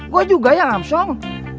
gue juga ya ngam song